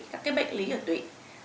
các bệnh lý ở tụy